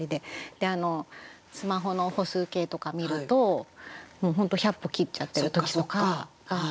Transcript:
でスマホの歩数計とか見るともう本当１００歩切っちゃってる時とかが割と多いんですよ。